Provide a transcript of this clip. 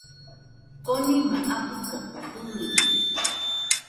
Konima abɨ koko bɨillɨ